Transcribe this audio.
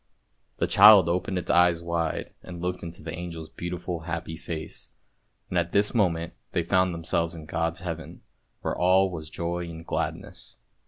The child opened its eyes wide and looked into the angel's beautiful happy face, and at this moment they found them selves in God's Heaven, where all was joy and gladness.